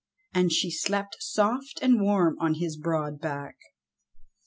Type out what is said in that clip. And she slept soft and warm on his broad back.